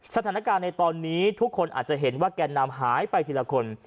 สถานการณ์ในตอนนี้ทุกคนอาจจะเห็นว่าแก่นำหายไปทีละคน